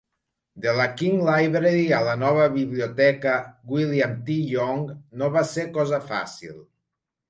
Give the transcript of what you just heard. De la King Library a la nova biblioteca "William T. Young" no va ser cosa fàcil.